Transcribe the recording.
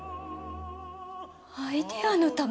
アイデアのため？